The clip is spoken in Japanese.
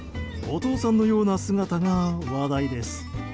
お父さんのような姿が話題です。